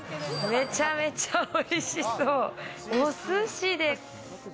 めちゃめちゃ美味しそう。